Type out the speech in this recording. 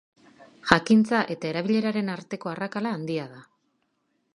Jakintza eta erabileraren arteko arrakala handia da.